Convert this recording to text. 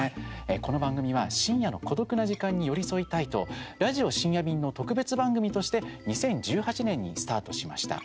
この番組は、深夜の孤独な時間に寄り添いたいとラジオ深夜便の特別番組として２０１８年にスタートしました。